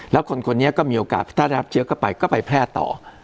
แล้วคนคนนี้ก็มีโอกาสถ้าได้รับเชื้อเข้าไปก็ไปแพร่ต่อ